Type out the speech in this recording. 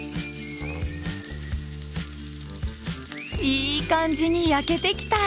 いい感じに焼けてきた！